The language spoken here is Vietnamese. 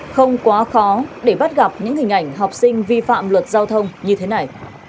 không quá khó để bắt gặp những hình ảnh học sinh vi phạm luật giao thông như thế này